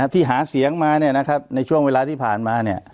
ที่หาเสียงมาในช่วงเวลาที่ผ่านมา